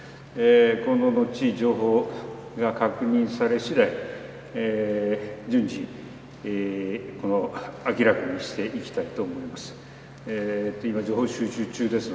この後、情報が確認されしだい、順次、明らかにしていきたいと思います。